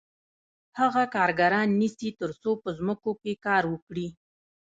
هغه کارګران نیسي تر څو په ځمکو کې کار وکړي